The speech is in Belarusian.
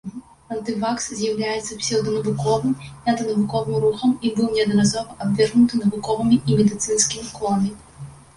Антывакс з'яўляецца псеўданавуковым і анты-навуковым рухам і быў неаднаразова абвергнуты навуковымі і медыцынскімі коламі.